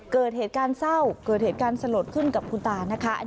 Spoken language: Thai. เกิดเหตุการณ์เศร้าเกิดเหตุการณ์สลดขึ้นกับคุณตานะคะ